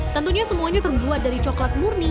tentunya semuanya terbuat dari coklat murni